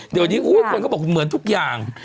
เดี๋ยวนี้คนก็บอกเหมือนทุกอย่าง